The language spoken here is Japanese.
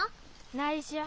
ないしょ。